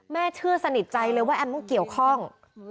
เชื่อสนิทใจเลยว่าแอมต้องเกี่ยวข้อง